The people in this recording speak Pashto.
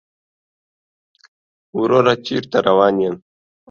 وروره چېرته روان يې؟